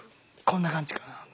こんな感じかな。